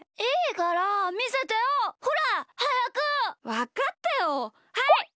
わかったよはい！